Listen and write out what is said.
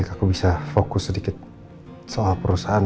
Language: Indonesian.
aku bisa fokus sedikit soal perusahaan